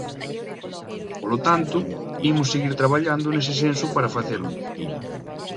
Polo tanto, imos seguir traballando nese senso para facelo.